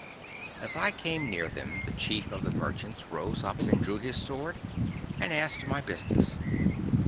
'As I came near them, the chief of the merchants rose up and drew his sword, and asked me my business.